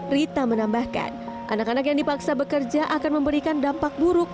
rita menambahkan anak anak yang dipaksa bekerja akan memberikan dampak buruk